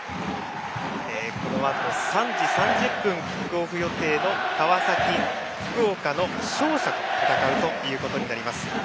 このあと３時３０分キックオフ予定の川崎、福岡の勝者と戦うということになります。